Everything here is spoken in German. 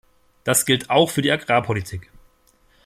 Das gilt auch für die Agrarpolitik.